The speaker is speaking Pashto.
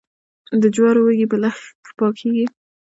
د جوارو وږي په لښک پاکیږي.